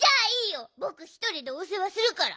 ぼくひとりでおせわするから。